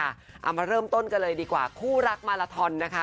เอามาเริ่มต้นกันเลยดีกว่าคู่รักมาลาทอนนะคะ